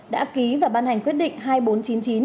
đã ký và ban hành quyết định hai nghìn bốn trăm chín mươi chín